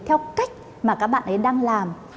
theo cách mà các bạn ấy đang làm